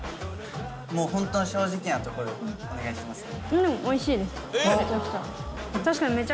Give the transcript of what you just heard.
本当に正直なとこでお願いしますね。